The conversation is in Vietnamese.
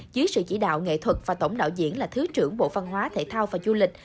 dưới sự chỉ đạo nghệ thuật và tổng đạo diễn là thứ trưởng bộ văn hóa thể thao và du lịch